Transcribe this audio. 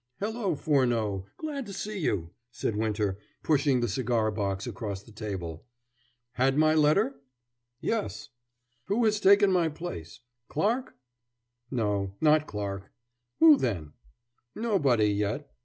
"Hello, Furneaux, glad to see you," said Winter, pushing the cigar box across the table. "Had my letter?" "Yes." "Who has taken my place Clarke?" "No, not Clarke." "Who, then?" "Nobody, yet.